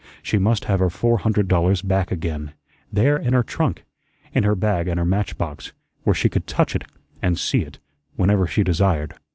She must have her four hundred dollars back again, there in her trunk, in her bag and her match box, where she could touch it and see it whenever she desired.